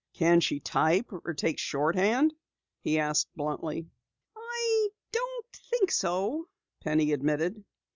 "Can she type or take shorthand?" he asked bluntly. "I don't think so," Penny admitted.